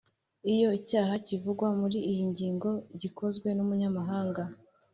iyo icyaha kivugwa muri iyi ngingo gikozwe n’umunyamahanga,